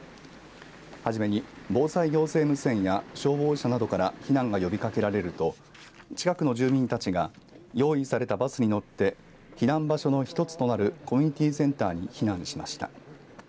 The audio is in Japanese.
はじめに防災行政無線や消防車などから避難が呼びかけられると近くの住民たちが用意されたバスに乗って避難場所の一つとなるコミュニティセンターに避難しました。